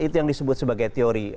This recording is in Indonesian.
itu yang disebut sebagai teori